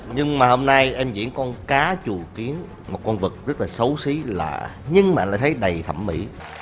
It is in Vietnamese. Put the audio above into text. nhưng mà hôm nay em diễn con cá trù kiến một con vật rất là xấu xí lạ nhưng mà lại thấy đầy thẩm mỹ